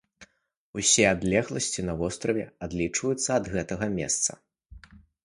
Усе адлегласці на востраве адлічваюцца ад гэтага месца.